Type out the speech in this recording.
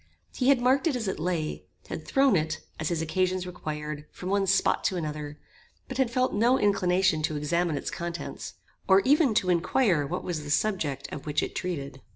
He had marked it as it lay; had thrown it, as his occasions required, from one spot to another; but had felt no inclination to examine its contents, or even to inquire what was the subject of which it treated.